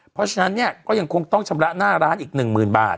เพราะฉะนั้นนี่ก็ยังคงต้องชำระหน้าร้านอีกหนึ่งหมื่นบาท